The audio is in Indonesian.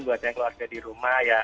buat saya keluarga di rumah ya